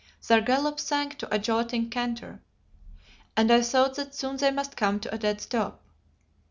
Their gallop sank to a jolting canter, and I thought that soon they must come to a dead stop.